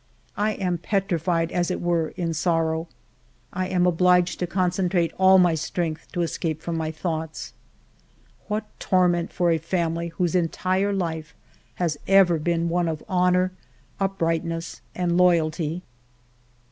I am petrified, as it were, in sorrow. I am obliged to concentrate all my strength to escape from my thoughts. What torment for a family whose entire life has ever been one of honor, uprightness, and loyalty